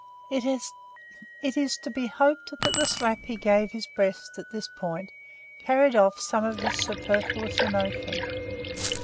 It is to be hoped that the slap he gave his breast, at this point, carried off some of his superfluous emotion.